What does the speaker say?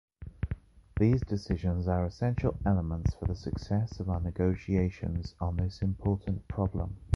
These decisions are essential elements for the success of our negotiations on this important problem.